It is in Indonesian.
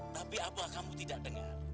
tapi apa kamu tidak dengar